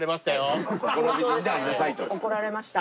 怒られました。